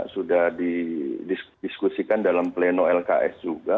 sudah didiskusikan dalam pleno lks juga